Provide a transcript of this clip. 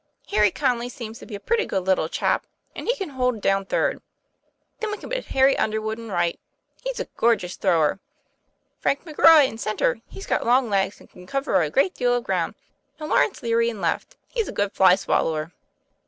Harry Conly seems to be a pretty good little chap, and he can hold down third. Then, we can put Harry Underwood in right, he's a gorgeous thrower; Frank McRoy in centre, he's got long legs and can cover a great deal of ground; and Lawrence Lery in left, he's a good fly swallower.